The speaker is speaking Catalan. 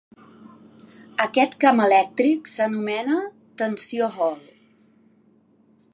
Aquest camp elèctric s'anomena tensió Hall.